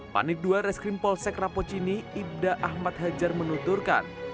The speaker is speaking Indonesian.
panit dua reskrim polsek rapuccini ibda ahmad hajar menunturkan